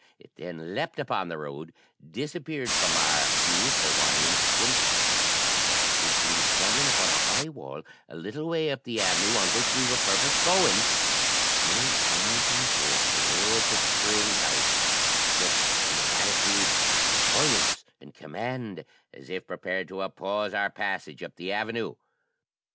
It then leaped upon the road, disappeared from our view for one instant, and the next was seen standing upon a high wall a little way up the avenue on which we purposed going, still pointing towards the road to Spring House, but in an attitude of defiance and command, as if prepared to oppose our passage up the avenue.